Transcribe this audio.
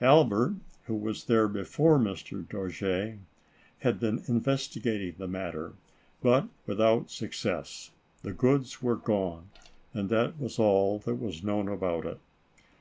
Albert, who was there before Mr. Dojere, had been investigating the matter, but without suc cess. The goods were gone, and that was all that was known about it.